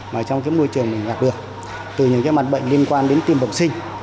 mà trong cái môi trường mình gặp được từ những cái mặt bệnh liên quan đến tiêm vọng sinh